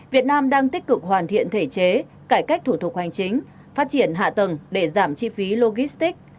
việt nam đang tích cực hoàn thiện thể chế cải cách thủ thuật hoành chính phát triển hạ tầng để giảm chi phí logistic